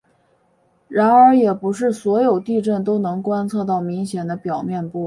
然而也不是所有地震都能观测到明显的表面波。